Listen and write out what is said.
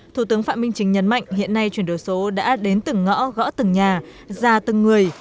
thủ tướng phạm minh chính nhấn mạnh hiện nay chuyển đổi số đã đến từng ngõ gõ từng nhà ra từng người